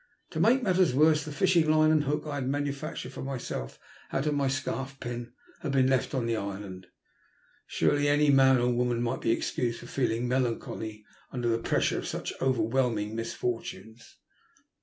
To make matters worse, the fishing line and hook I had manufactured for myself out of my scarf pin, had been left on the island. Surely any man or woman might be excused for feeling melancholy under the pressure of such overwhelming misfortunes.